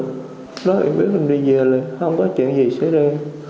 lúc đó em biết em đi về là không có chuyện gì xảy ra